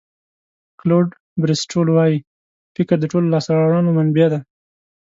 کلوډ بریسټول وایي فکر د ټولو لاسته راوړنو منبع ده.